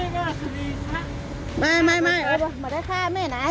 วันนี้งั้นช่วยดังที่จะกำหนัก